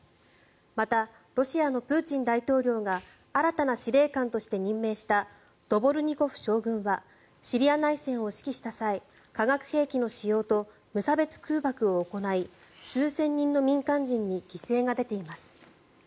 また、ロシアのプーチン大統領が新たな司令官として任命したドボルニコフ将軍はシリア内戦を指揮した際化学兵器の使用と無差別空爆を行い数千人の民間人に犠牲が出ています。